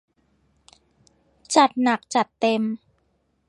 จัดหนักจัดเต็ม!